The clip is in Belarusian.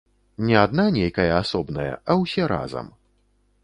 Не адна нейкая асобная, а ўсе разам.